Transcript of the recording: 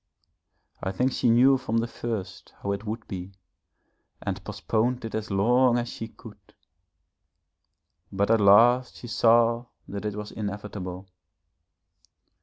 I think she knew from the first how it would be and postponed it as long as she could. But at last she saw that it was inevitable....